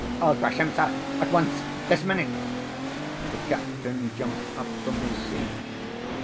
"I'll thrash him, sir, at once—this minute!" The captain jumped up from his seat.